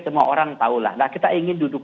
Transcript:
semua orang tahulah nah kita ingin duduk